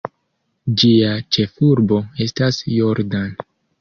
Ĝia ĉefurbo estas "Jordan".